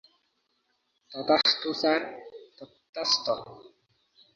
তথাস্তু sir, তথাস্তু।